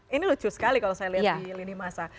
ini lucu sekali kalau saya lihat di lini masa